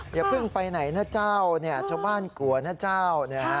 อย่าเพิ่งไปไหนนะเจ้าเนี่ยชาวบ้านกลัวนะเจ้า